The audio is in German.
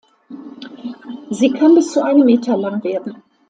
Sie kann bis zu einem Meter lang werden.